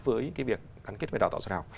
với việc gắn kết với đào tạo sau đại học